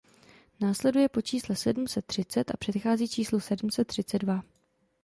Následuje po čísle sedm set třicet a předchází číslu sedm set třicet dva.